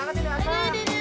tidak tidak tidak